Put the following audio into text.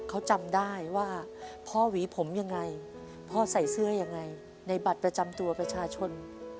เขาจำได้ว่าพ่อหวีผมยังไงพ่อใส่เสื้อยังไงในบัตรประจำตัวประชาชน